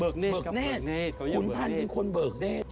เบิกเนธครับเบิกเนธเขาเรียกเบิกเนธคุมฟันเป็นคนเบิกเนธ